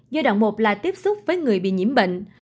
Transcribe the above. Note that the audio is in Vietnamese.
giai đoạn một là tiếp xúc với người bị nhiễm bệnh